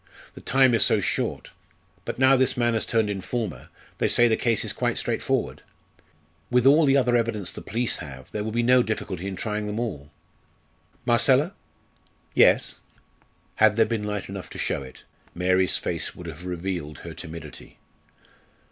The time is so short. But now this man has turned informer, they say the case is quite straightforward. With all the other evidence the police have there will be no difficulty in trying them all. Marcella!" "Yes." Had there been light enough to show it, Mary's face would have revealed her timidity.